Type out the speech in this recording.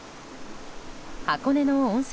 箱根の温泉